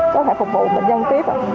có thể phục vụ bệnh nhân tiếp ạ